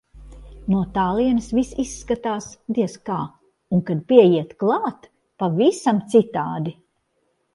No tālienes viss izskatās, diez kā, un kad pieiet klāt - pavisam citādi.